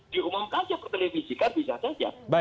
diumumkan saja ke televisi kan bisa saja